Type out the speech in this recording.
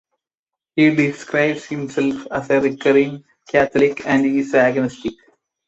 He describes himself as a 'recovering Catholic' and is agnostic.